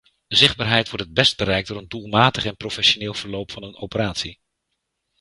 Zichtbaarheid wordt het best bereikt door een doelmatig en professioneel verloop van een operatie.